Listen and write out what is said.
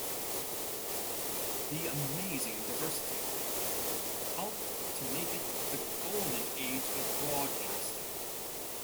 The amazing diversity... helped to make it the golden age of broadcasting.